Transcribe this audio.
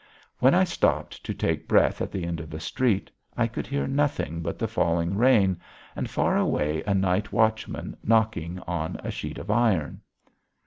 When I stopped to take breath at the end of the street, I could hear nothing but the falling rain and far away a night watchman knocking on a sheet of iron.